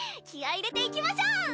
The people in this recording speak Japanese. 気合い入れていきましょう！